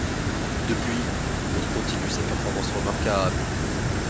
Depuis, il continue ses performances remarquables.